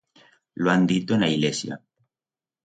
Lo han dito en a ilesia.